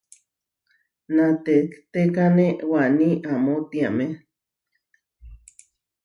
Natehtékane waní amó tiamé.